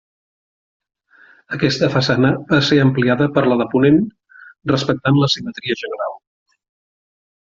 Aquesta façana va ser ampliada per la de ponent, respectant la simetria general.